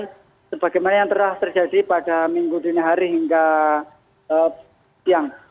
dan sebagaimana yang telah terjadi pada minggu dunia hari hingga siang